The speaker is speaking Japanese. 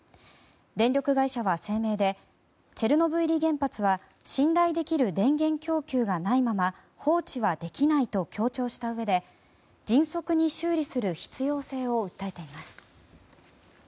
電力会社は声明でチェルノブイリ原発は信頼できる電源供給がないまま放置はできないと強調したうえで迅速に修理する必要性を訴えています。